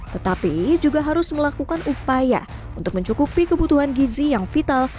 tetapi juga harus melakukan upaya untuk mencukupi kebutuhan gizi yang vital